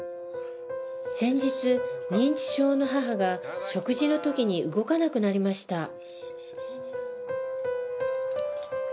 先日認知症の母が食事の時に動かなくなりました